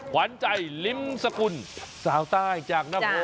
ขวัญใจลิ้มสกุลสาวใต้จากนโม